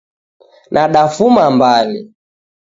Nadafuma Mbale